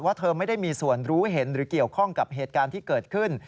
เธอไม่ได้มีส่วนรู้เห็นหรือเกี่ยวข้องกับเหตุการณ์ที่เกิดขึ้น